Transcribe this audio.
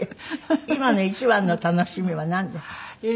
今の一番の楽しみはなんですか？